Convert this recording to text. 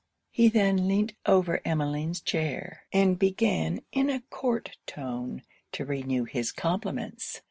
He then leant over Emmeline's chair, and began in a court tone to renew his compliments.